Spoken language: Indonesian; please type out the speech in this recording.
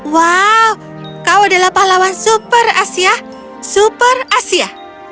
wow kau adalah pahlawan super asia super asia